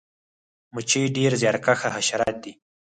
مچۍ ډیر زیارکښه حشرات دي